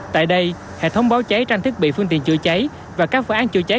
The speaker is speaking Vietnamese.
tại đây hệ thống báo cháy trang thiết bị phương tiện chữa cháy và các phương án chữa cháy